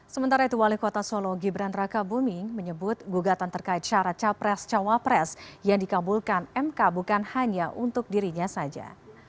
sementara itu wali kota solo gibran raka buming menyebut gugatan terkait syarat capres cawapres yang dikabulkan mk bukan hanya untuk dirinya saja